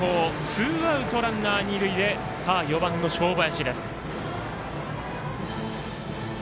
ツーアウト、ランナー、二塁で４番の正林。